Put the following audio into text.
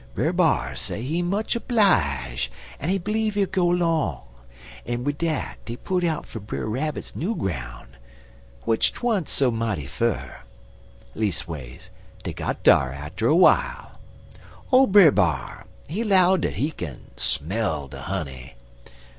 "Brer B'ar say he much oblije en he bleeve he'll go long, en wid dat dey put out fer Brer Rabbit's new groun', w'ich 'twa'n't so mighty fur. Leas'ways, dey got dar atter w'ile. Ole Brer B'ar, he 'low dat he kin smell de honey.